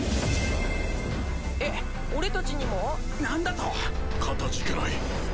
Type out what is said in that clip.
えっ俺たちにも？何だと？かたじけない。